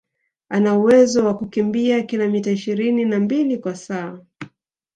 Ana uwezo wa kukimbia kilometa ishirini na mbili kwa saa